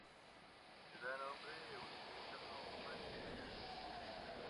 Le da nombre una iglesia románica desaparecida.